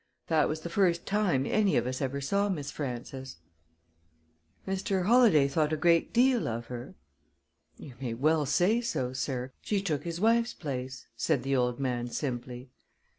That was the first time any of us ever saw Miss Frances." "Mr. Holladay thought a great deal of her?" "You may well say so, sir; she took his wife's place," said the old man simply.